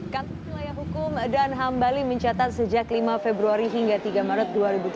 kantor wilayah hukum dan ham bali mencatat sejak lima februari hingga tiga maret dua ribu dua puluh